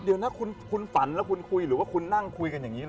เดี๋ยวนะคุณฝันแล้วคุยหรือคุณนั่งคุย